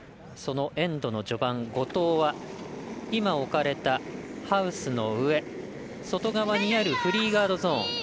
そのエンドの序盤５投は今置かれた、ハウスの上外側にあるフリー側のゾーン。